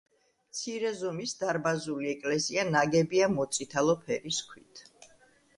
მცირე ზომის დარბაზული ეკლესია ნაგებია მოწითალო ფერის ქვით.